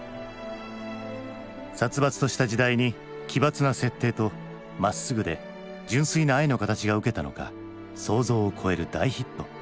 殺伐とした時代に奇抜な設定とまっすぐで純粋な愛の形がウケたのか想像を超える大ヒット。